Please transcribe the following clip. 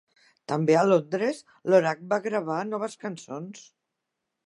També a Londres, Lorak va gravar noves cançons.